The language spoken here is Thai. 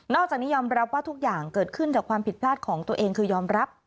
จากนี้ยอมรับว่าทุกอย่างเกิดขึ้นจากความผิดพลาดของตัวเองคือยอมรับ